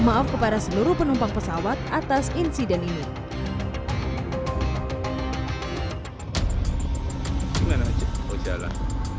maaf kepada seluruh penumpang pesawat atas insiden ini gimana aja kalau jalan